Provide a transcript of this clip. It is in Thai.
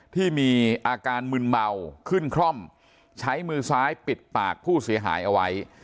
ที่มีอาการมึนเมาขึ้นคร่อมใช้มือซ้ายปิดปากผู้เสียหายเอาไว้